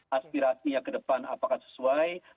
aspirasinya ke depan apakah sesuai